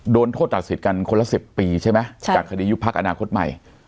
โดนโทษตัดสิทธิ์กันคนละ๑๐ปีใช่ไหมจากคดียุบพักอนาคตใหม่